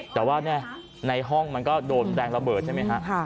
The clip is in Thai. แต่ว่าในห้องมันก็โดนแรงระเบิดใช่ไหมฮะ